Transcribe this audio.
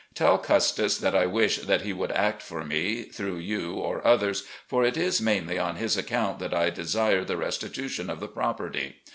Tell Custis that I wish that he would act for me, through you or others, for it is mainly on his account that I desire the restitution of the property.